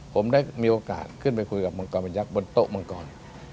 ผมได้มีโอกาสขึ้นไปคุยกับมังกรบรรยักษ์บนโต๊ะมังกร